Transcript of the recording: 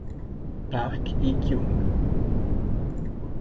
Park Hee-kyung